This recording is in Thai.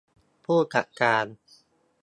ผู้จัดการ